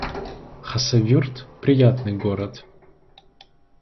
Хасавюрт — приятный город